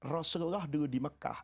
rasulullah dulu di mekah